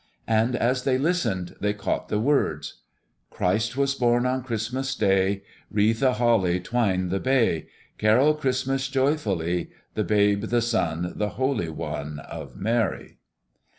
And as they listened, they caught the words: "Christ was born on Christmas Day, Wreathe the holly, twine the bay, Carol Christmas joyfully, The Babe, the Son, the Holy One of Mary."